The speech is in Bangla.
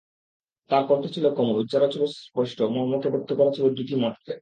তাঁর কণ্ঠ ছিল কোমল, উচ্চারণ ছিল সুস্পষ্ট, মর্মকে ব্যক্ত করা ছিল দ্যুতিময়।